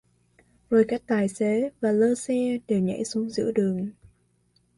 Rồi cả tài xế và lơ xe đều nhảy xuống giữa đường